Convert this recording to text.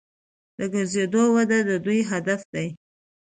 د ګرځندوی وده د دوی هدف دی.